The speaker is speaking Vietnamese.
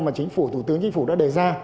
mà chính phủ thủ tướng chính phủ đã đề ra